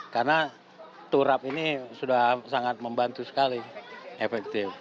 karena turap ini sudah sangat membantu sekali efektif